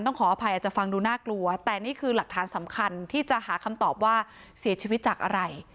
ขออภัยอาจจะฟังดูน่ากลัวแต่นี่คือหลักฐานสำคัญที่จะหาคำตอบว่าเสียชีวิตจากอะไร